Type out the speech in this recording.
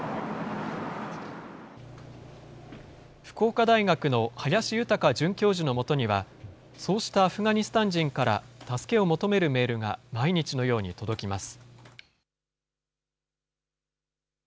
福岡大学の林裕准教授のもとには、そうしたアフガニスタン人から助けを求めるメールが毎日のように届きます。